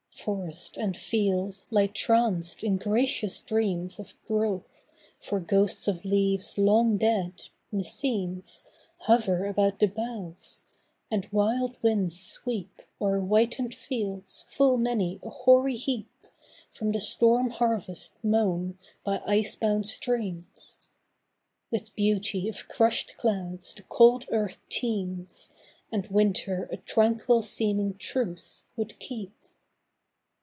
Forest and field lie tranced in gracious dreams Of growth, for ghosts of leaves long dead, me seems, Hover about the boughs; and wild winds sweep O'er whitened fields full many a hoary heap From the storm harvest mown by ice bound streams! With beauty of crushed clouds the cold earth teems, And winter a tranquil seeming truce would keep.